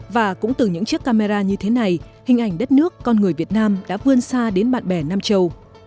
và cũng từ những chiếc camera như thế này hình ảnh đất nước con người việt nam đã vươn xa đến bạn bè nam châu